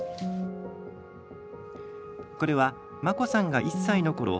これは、真心さんが１歳のころ